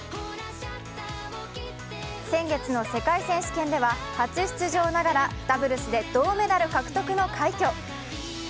先月の世界選手権では初出場ながらダブルスで銅メダル獲得の快挙。